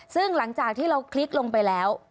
ซึ่งหลังจากที่เราคลิกลงไปแล้ว